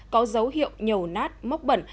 có dấu hiệu nhầu nát móc bẩn